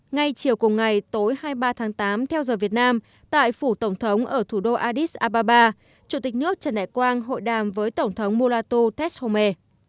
ngay chiều cùng ngày tối hai mươi ba tháng tám theo giờ việt nam tại phủ tổng thống ở thủ đô addis ababa chủ tịch nước trần đại quang hội đàm với tổng thống mulato tetshome